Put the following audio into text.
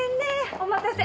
お待たせ！